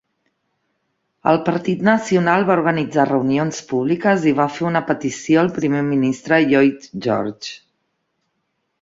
El partit nacional va organitzar reunions públiques i va fer una petició al primer ministre Lloyd George.